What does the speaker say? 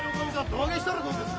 胴上げしたらどうです？